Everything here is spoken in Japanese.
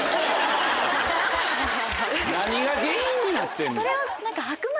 何が原因になってんねん。